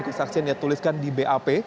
kesaksian yang dituliskan di bap